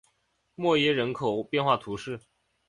默耶人口变化图示